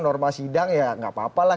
norma sidang ya nggak apa apa lah